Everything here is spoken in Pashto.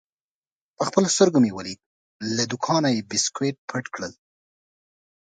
په خپلو سترګو مې ولید: له دوکانه یې بیسکویټ پټ کړل.